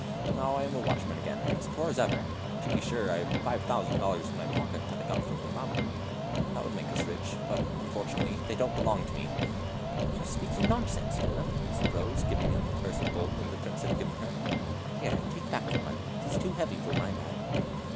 Now I am a watchman again, and as poor as ever. To be sure, I have five thousand dollars in my pocket, that I got from a Mameluke; that would make us rich, but unfortunately they don't belong to me!" "You're speaking nonsense, Philip," said Rose, giving him the purse of gold that the Prince had given her. "Here, take back your money, 't is too heavy for my bag."